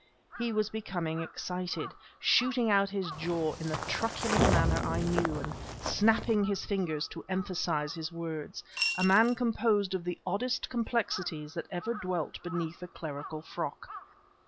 He was becoming excited, shooting out his jaw in the truculent manner I knew, and snapping his fingers to emphasize his words; a man composed of the oddest complexities that ever dwelt beneath a clerical frock.